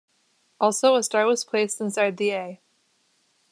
Also, a star was placed inside the "A".